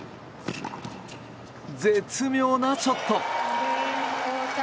絶妙なショット。